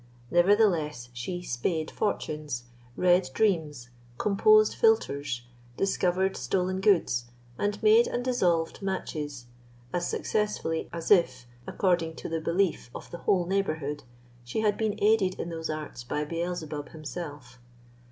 Nevertheless, she "spaed fortunes," read dreams, composed philtres, discovered stolen goods, and made and dissolved matches as successfully as if, according to the belief of the whole neighbourhood, she had been aided in those arts by Beelzebub himself.